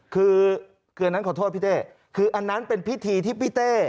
คือคืออันนั้นขอโทษพี่เต้คืออันนั้นเป็นพิธีที่พี่เต้